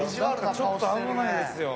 ちょっと危ないですよ。